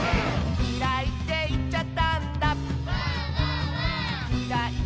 「きらいっていっちゃったんだ」